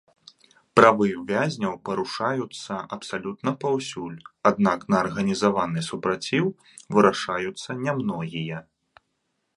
Правы вязняў парушаюцца абсалютна паўсюль, аднак на арганізаваны супраціў вырашаюцца нямногія.